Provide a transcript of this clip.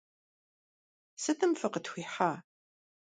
Сытым фыкъытхуихьа?